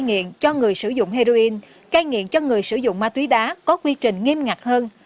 nghiện cho người sử dụng heroin cai nghiện cho người sử dụng ma túy đá có quy trình nghiêm ngặt hơn